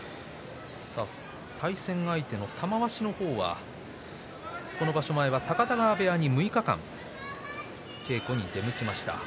対戦相手の玉鷲はこの場所前は高田川部屋に６日間稽古に出向きました。